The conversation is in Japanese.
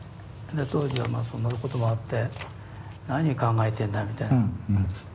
当時はまあそんなこともあって何考えてんだみたいな。